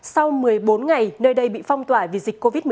sau một mươi bốn ngày nơi đây bị phong tỏa vì dịch covid một mươi chín